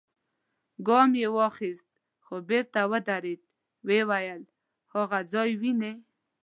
ګام يې واخيست، خو بېرته ودرېد، ويې ويل: هاغه ځای وينې؟